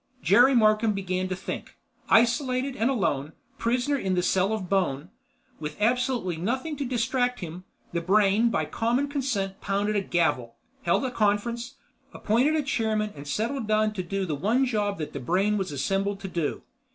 Jerry Markham began to think. Isolated and alone, prisoner in the cell of bone, with absolutely nothing to distract him, the Brain by common consent pounded a gavel, held a conference, appointed a chairman and settled down to do the one job that the Brain was assembled to do.